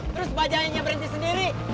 terus bajanya berhenti sendiri